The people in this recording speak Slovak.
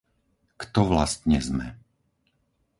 Kto vlastne sme?